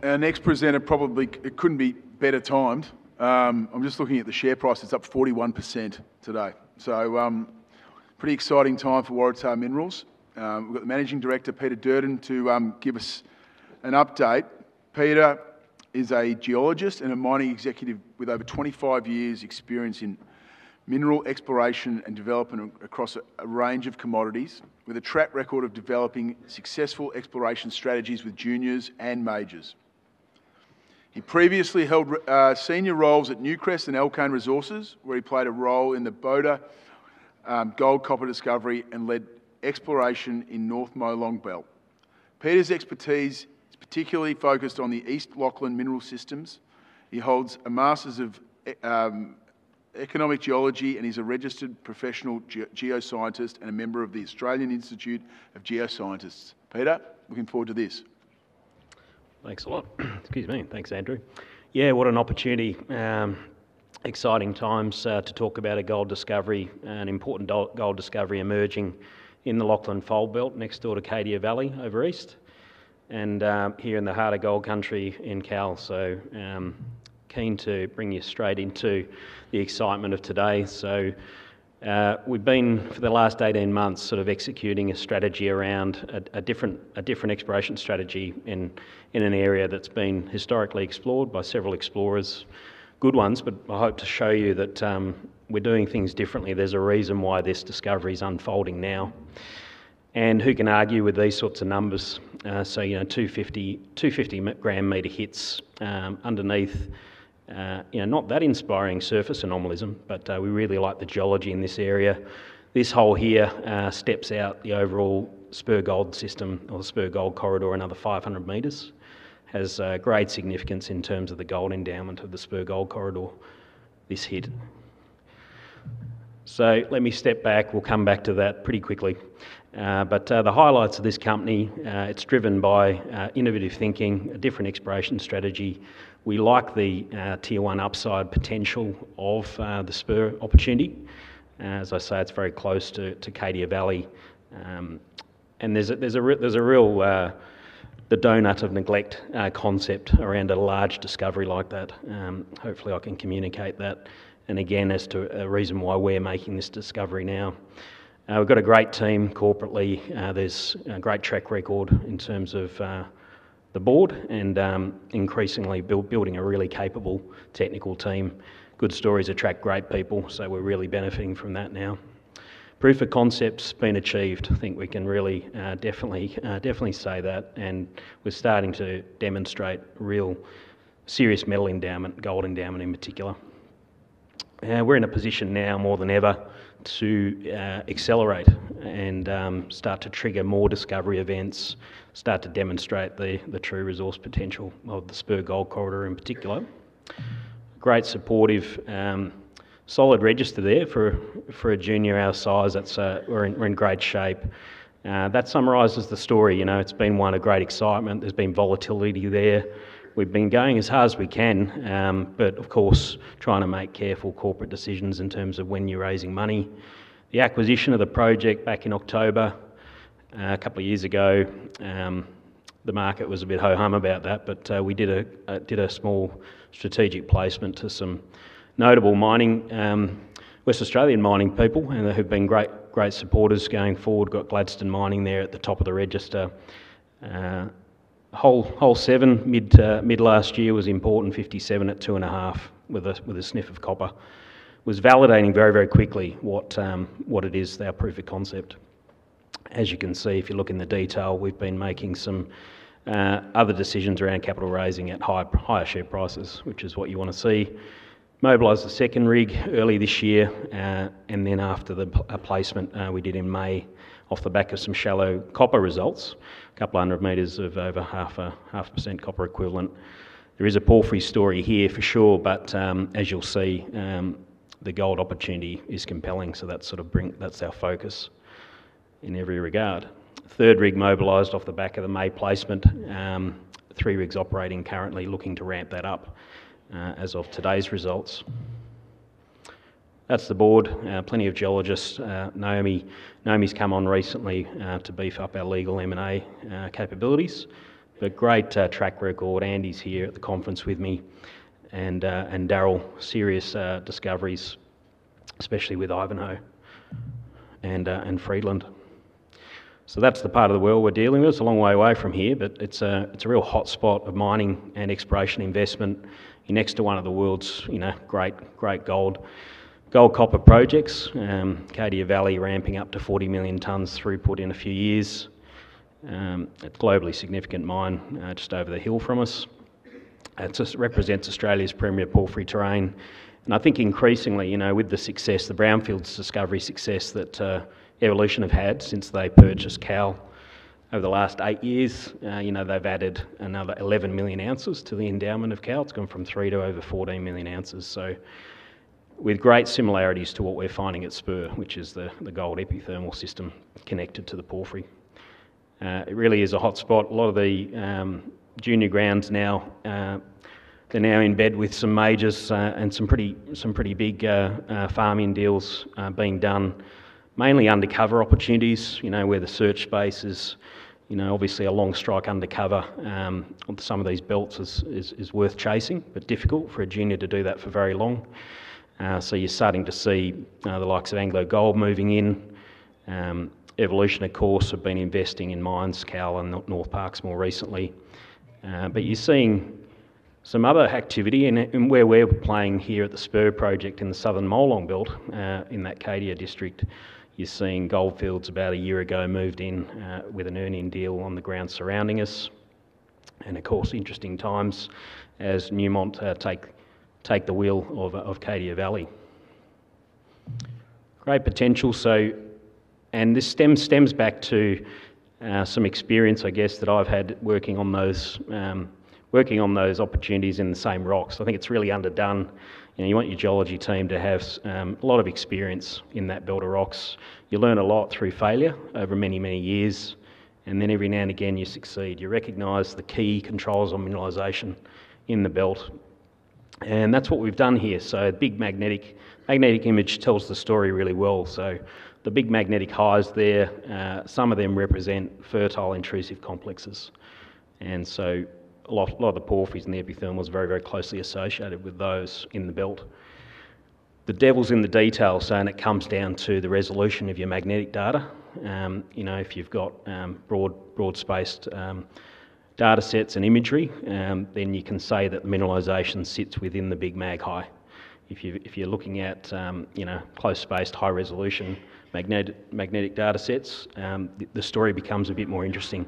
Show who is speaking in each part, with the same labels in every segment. Speaker 1: Our next presenter probably couldn't be better timed. I'm just looking at the share price; it's up 41% today. Pretty exciting time for Waratah Minerals. We've got the Managing Director Peter Duerden to give us an update. Peter is a geologist and a mining executive with over 25 years' experience in mineral exploration and development across a range of commodities, with a track record of developing successful exploration strategies with juniors and majors. He previously held senior roles at Newcrest and Alkane Resources, where he played a role in the Boda Gold-Copper Discovery and led exploration in North Molong Belt. Peter's expertise is particularly focused on the East Lachlan mineral systems. He holds a Master's of Economic Geology and is a registered professional geoscientist and a member of the Australian Institute of Geoscientists. Peter, looking forward to this.
Speaker 2: Thanks a lot. Excuse me. Thanks, Andrew. Yeah, what an opportunity. Exciting times to talk about a gold discovery, an important gold discovery emerging in the Lachlan Fold Belt next door to Cadia Valley over east and here in the heart of gold country in Cowal. Keen to bring you straight into the excitement of today. We've been for the last 18 months executing a strategy around a different exploration strategy in an area that's been historically explored by several explorers, good ones, but I hope to show you that we're doing things differently. There's a reason why this discovery is unfolding now. Who can argue with these sorts of numbers? You know, 250 g⋅m hits underneath not that inspiring surface anomalism, but we really like the geology in this area. This hole here steps out the overall Spur Gold system or the Spur Gold Corridor another 500 m. It has great significance in terms of the gold endowment of the Spur Gold Corridor, this hit. Let me step back. We'll come back to that pretty quickly. The highlights of this company, it's driven by innovative thinking, a different exploration strategy. We like the tier one upside potential of the Spur opportunity. As I say, it's very close to Cadia Valley. There's a real donut of neglect concept around a large discovery like that. Hopefully, I can communicate that. Again, as to a reason why we're making this discovery now. We've got a great team corporately. There's a great track record in terms of the board and increasingly building a really capable technical team. Good stories attract great people. We're really benefiting from that now. Proof of concept's being achieved. I think we can really definitely, definitely say that. We're starting to demonstrate real serious metal endowment, gold endowment in particular. We're in a position now more than ever to accelerate and start to trigger more discovery events, start to demonstrate the true resource potential of the Spur Gold Corridor in particular. Great supportive, solid register there for a junior our size. We're in great shape. That summarizes the story. It's been one of great excitement. There's been volatility there. We've been going as hard as we can, but of course, trying to make careful corporate decisions in terms of when you're raising money. The acquisition of the project back in October, a couple of years ago, the market was a bit ho hum about that, but we did a small strategic placement to some notable West Australian mining people who have been great supporters going forward. Got Gladstone mining there at the top of the register. Hole seven mid-last year was important. 57 at 2.5 with a sniff of copper. Was validating very, very quickly what it is, our proof of concept. As you can see, if you look in the detail, we've been making some other decisions around capital raising at higher share prices, which is what you want to see. Mobilized the second rig early this year. After the placement we did in May off the back of some shallow copper results, a couple hundred meters of over 0.5% copper equivalent. There is a porphyry story here for sure, but as you'll see, the gold opportunity is compelling. That's sort of our focus in every regard. Third rig mobilized off the back of the May placement. Three rigs operating currently, looking to ramp that up as of today's results. That's the board. Plenty of geologists. Naomi's come on recently to beef up our legal M&A capabilities. Great track record. Andy's here at the conference with me. Daryl, serious discoveries, especially with Ivanhoe and Freeland. That's the part of the world we're dealing with. It's a long way away from here, but it's a real hot spot of mining and exploration investment. You're next to one of the world's great gold copper projects. Cadia Valley ramping up to 40 million tons throughput in a few years. It's a globally significant mine just over the hill from us. It represents Australia's premier porphyry terrain. I think increasingly, with the success, the Brownfields discovery success that Evolution have had since they purchased Cowal over the last eight years, they've added another 11 million oz to the endowment of Cowal. It's gone from three to over 14 million oz. With great similarities to what we're finding at Spur, which is the gold epithermal system connected to the porphyry. It really is a hot spot. A lot of the junior grounds now, they're now in bed with some majors and some pretty big farm-in deals being done, mainly undercover opportunities, where the search base is obviously a long strike undercover on some of these belts is worth chasing, but difficult for a junior to do that for very long. You're starting to see the likes of AngloGold moving in. Evolution, of course, have been investing in mines, Cowal, and Northparkes more recently. You're seeing some other activity in where we're playing here at the Spur Project in the southern Molong Belt in that Cadia district. You're seeing Gold Fields about a year ago moved in with an earn-in deal on the ground surrounding us. Of course, interesting times as Newmont take the wheel of Cadia Valley. Great potential. This stems back to some experience, I guess, that I've had working on those opportunities in the same rocks. I think it's really underdone. You want your geology team to have a lot of experience in that belt of rocks. You learn a lot through failure over many, many years. Every now and again, you succeed. You recognize the key controls on mineralization in the belt. That's what we've done here. A big magnetic image tells the story really well. The big magnetic highs there, some of them represent fertile intrusive complexes. A lot of the porphyry and the epithermal is very, very closely associated with those in the belt. The devil's in the details, and it comes down to the resolution of your magnetic data. If you've got broad-spaced data sets and imagery, then you can say that mineralization sits within the big mag high. If you're looking at close-spaced high-resolution magnetic data sets, the story becomes a bit more interesting.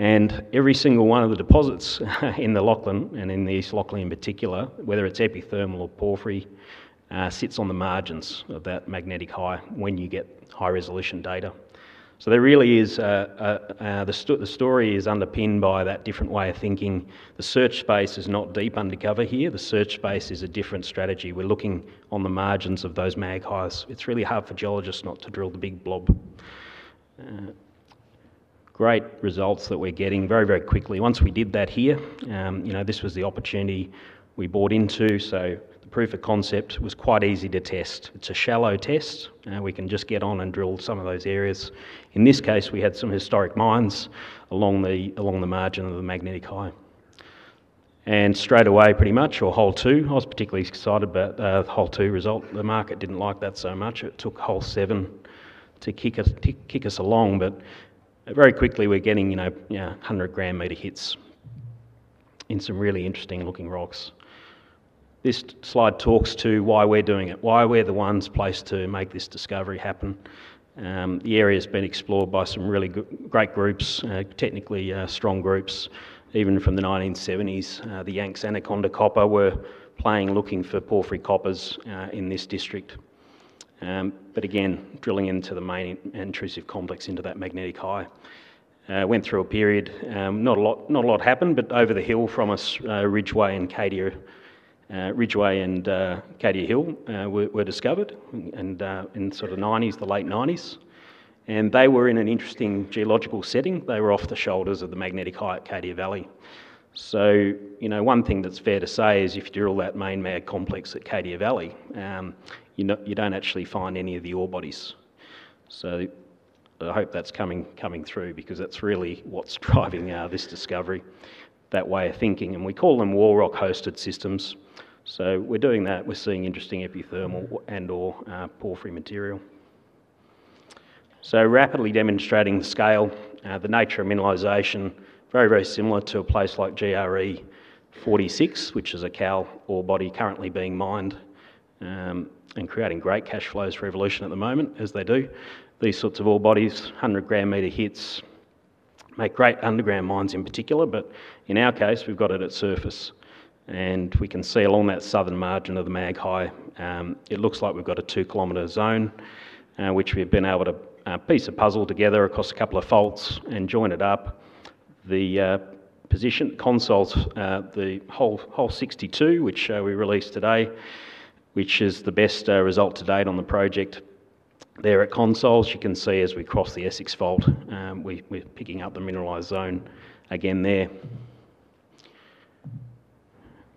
Speaker 2: Every single one of the deposits in the Lachlan and in the East Lachlan in particular, whether it's epithermal or porphyry, sits on the margins of that magnetic high when you get high-resolution data. The story is underpinned by that different way of thinking. The search space is not deep undercover here. The search space is a different strategy. We're looking on the margins of those mag highs. It's really hard for geologists not to drill the big blob. Great results that we're getting very, very quickly. Once we did that here, this was the opportunity we bought into. The proof of concept was quite easy to test. It's a shallow test. We can just get on and drill some of those areas. In this case, we had some historic mines along the margin of the magnetic high. Straight away, pretty much, or hole two, I was particularly excited about the hole two result. The market didn't like that so much. It took hole seven to kick us along. Very quickly, we're getting, you know, 100 g⋅m hits in some really interesting looking rocks. This slide talks to why we're doing it, why we're the ones placed to make this discovery happen. The area has been explored by some really great groups, technically strong groups, even from the 1970s. The Yanks and Anaconda Copper were playing, looking for porphyry coppers in this district. Drilling into the main intrusive complex into that magnetic high. Went through a period, not a lot happened, but over the hill from us, Ridgeway and Cadia Hill were discovered in the sort of the late 1990s. They were in an interesting geological setting. They were off the shoulders of the magnetic high at Cadia Valley. One thing that's fair to say is if you drill that main mag complex at Cadia Valley, you don't actually find any of the ore bodies. I hope that's coming through because that's really what's driving this discovery, that way of thinking. We call them wall rock hosted systems. We're doing that. We're seeing interesting epithermal and/or porphyry material. Rapidly demonstrating the scale, the nature of mineralization, very, very similar to a place like GRE 46, which is a Cowal orebody currently being mined and creating great cash flows for Evolution at the moment, as they do. These sorts of orebodies, 100 g⋅m hits, make great underground mines in particular, but in our case, we've got it at surface. We can see along that southern margin of the mag high, it looks like we've got a two-kilometer zone, which we've been able to piece a puzzle together across a couple of faults and join it up. The position consoles, the hole 62, which we released today, which is the best result to date on the project. There at consoles, you can see as we cross the Essex fault, we're picking up the mineralized zone again there.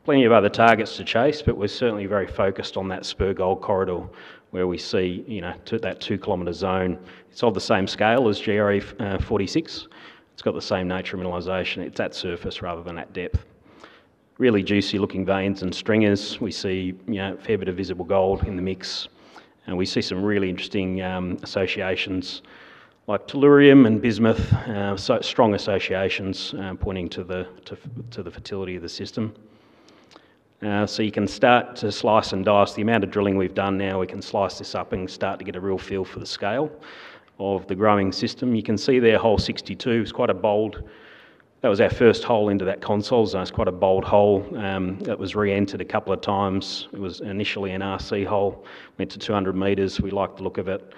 Speaker 2: Plenty of other targets to chase, but we're certainly very focused on that Spur Gold Corridor where we see, you know, that two-kilometer zone. It's of the same scale as GRE 46. It's got the same nature of mineralization. It's at surface rather than at depth. Really juicy looking veins and stringers. We see, you know, a fair bit of visible gold in the mix. We see some really interesting associations like tellurium and bismuth, so strong associations pointing to the fertility of the system. You can start to slice and dice. The amount of drilling we've done now, we can slice this up and start to get a real feel for the scale of the growing system. You can see there hole 62. It's quite a bold... That was our first hole into that consoles. It's quite a bold hole. It was reentered a couple of times. It was initially an RC hole. Went to 200 m. We liked the look of it.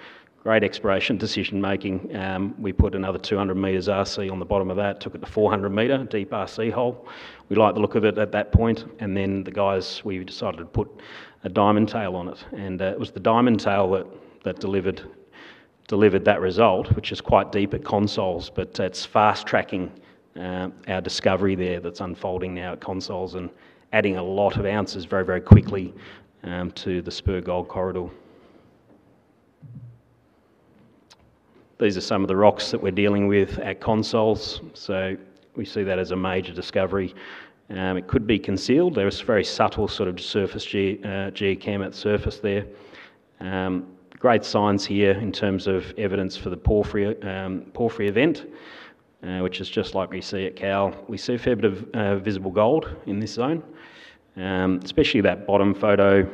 Speaker 2: Great exploration decision making. We put another 200 m RC on the bottom of that, took it to 400 m, a deep RC hole. We liked the look of it at that point. The guys, we decided to put a diamond tail on it. It was the diamond tail that delivered that result, which is quite deep at consoles, but that's fast tracking our discovery there that's unfolding now at consoles and adding a lot of ounces very, very quickly to the Spur Gold Corridor. These are some of the rocks that we're dealing with at consoles. We see that as a major discovery. It could be concealed. There was very subtle sort of surface geochem at surface there. Great signs here in terms of evidence for the porphyry event, which is just like we see at Cowal. We see a fair bit of visible gold in this zone. Especially that bottom photo,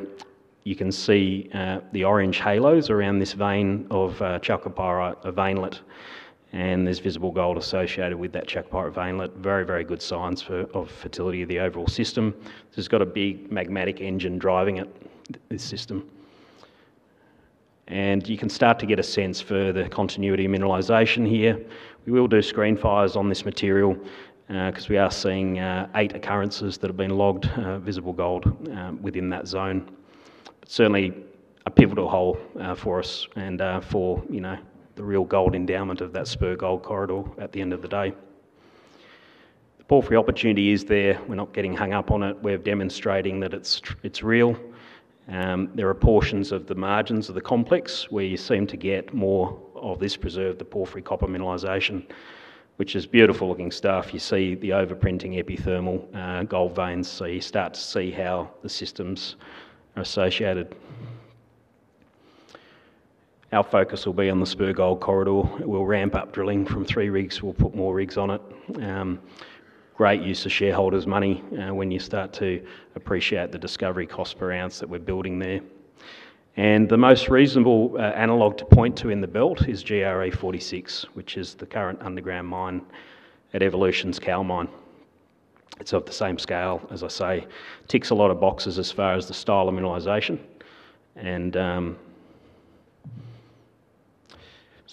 Speaker 2: you can see the orange halos around this vein of chalcopyrite veinlet. There's visible gold associated with that chalcopyrite veinlet. Very, very good signs of fertility of the overall system. It's got a big magmatic engine driving it, this system. You can start to get a sense for the continuity of mineralization here. We will do screen fires on this material because we are seeing eight occurrences that have been logged visible gold within that zone. Certainly a pivotal hole for us and for, you know, the real gold endowment of that Spur Gold Corridor at the end of the day. The porphyry opportunity is there. We're not getting hung up on it. We're demonstrating that it's real. There are portions of the margins of the complex where you seem to get more of this preserved, the porphyry copper mineralization, which is beautiful looking stuff. You see the overprinting epithermal gold veins. You start to see how the systems are associated. Our focus will be on the Spur Gold Corridor. We'll ramp up drilling from three rigs. We'll put more rigs on it. Great use of shareholders' money when you start to appreciate the discovery cost per ounce that we're building there. The most reasonable analog to point to in the belt is GRE 46, which is the current underground mine at Evolution's Cowal mine. It's of the same scale, as I say, ticks a lot of boxes as far as the style of mineralization.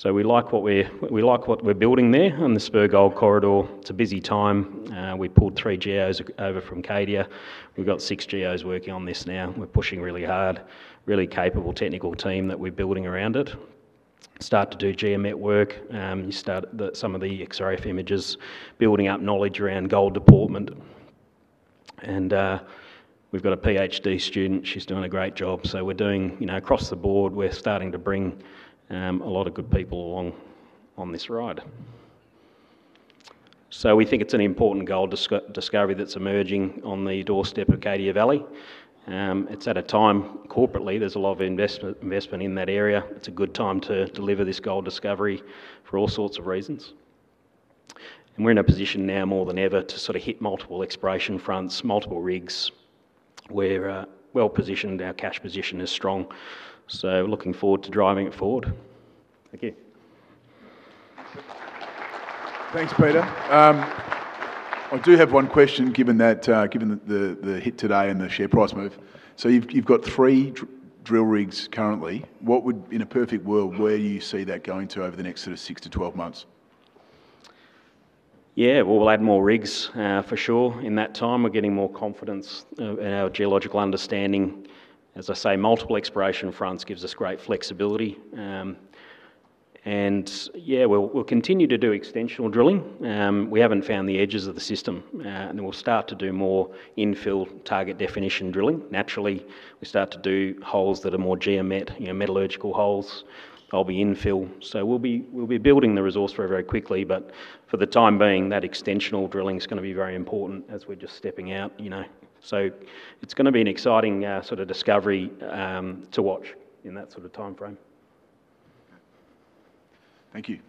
Speaker 2: We like what we're building there on the Spur Gold Corridor. It's a busy time. We pulled three geos over from Cadia. We've got six geos working on this now. We're pushing really hard. Really capable technical team that we're building around it. Start to do geometric work. You start some of the XRF images, building up knowledge around gold deportment. We've got a PhD student. She's doing a great job. We're starting to bring a lot of good people along on this ride. We think it's an important gold discovery that's emerging on the doorstep of Cadia Valley. It's at a time, corporately, there's a lot of investment in that area. It's a good time to deliver this gold discovery for all sorts of reasons. We're in a position now more than ever to sort of hit multiple exploration fronts, multiple rigs. We're well positioned. Our cash position is strong. We're looking forward to driving it forward. Thank you.
Speaker 1: Thanks, Peter. I do have one question given the hit today and the share price move. You've got three drill rigs currently. In a perfect world, where do you see that going to over the next six to 12 months?
Speaker 2: Yeah, we'll add more drill rigs for sure. In that time, we're getting more confidence in our geological understanding. As I say, multiple exploration fronts give us great flexibility. Yeah, we'll continue to do extensional drilling. We haven't found the edges of the system. Then we'll start to do more infill target definition drilling. Naturally, we start to do holes that are more geometric, you know, metallurgical holes. They'll be infill. We'll be building the resource very, very quickly. For the time being, that extensional drilling is going to be very important as we're just stepping out, you know. It's going to be an exciting sort of discovery to watch in that sort of timeframe.
Speaker 1: Thank you.